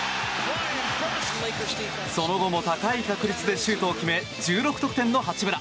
その後も高い確率でシュートを決め１６得点の八村。